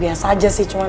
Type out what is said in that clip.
biasa aja sih cuman